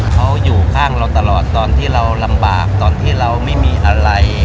เขาอยู่ข้างเราตลอดตอนที่เราลำบากตอนที่เราไม่มีอะไร